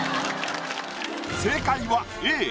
正解はＡ。